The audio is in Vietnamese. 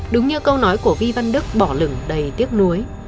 đúng như câu nói của vi văn đức bỏ lừng đầy tiếc nuối